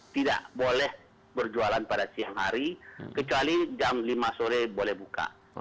tidak boleh berjualan pada siang hari kecuali jam lima sore boleh buka